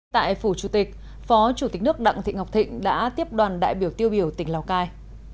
tại phủ chủ tịch phó chủ tịch nước đặng thị ngọc thịnh đã tiếp đoàn đại biểu tiêu biểu tỉnh lào cai